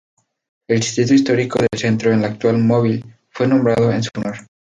El distrito histórico del centro de la actual Mobile fue nombrado en su honor.